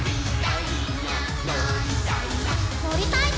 「のりたいぞ！」